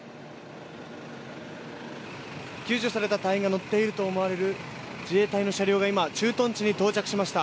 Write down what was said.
救助された隊員が乗っているとみられる自衛隊の車両が今、駐屯地に到着しました。